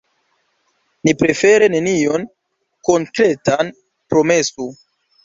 Ni prefere nenion konkretan promesu.